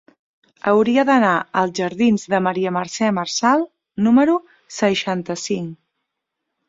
Hauria d'anar als jardins de Maria Mercè Marçal número seixanta-cinc.